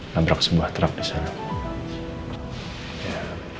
nabrak sebuah truck di sana